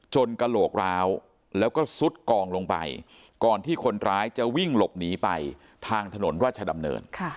กระโหลกร้าวแล้วก็ซุดกองลงไปก่อนที่คนร้ายจะวิ่งหลบหนีไปทางถนนราชดำเนิน